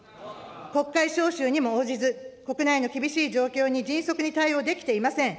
国会召集にも応じず、国内の厳しい状況に迅速に対応できていません。